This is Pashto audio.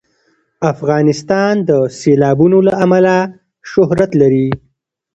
افغانستان د سیلابونه له امله شهرت لري.